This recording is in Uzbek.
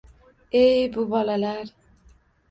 Ey, bu bolalar